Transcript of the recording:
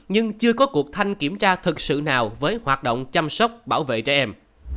nhưng chưa có cuộc thanh kiểm tra thực sự nào với hoạt động chăm sóc bảo vệ trẻ em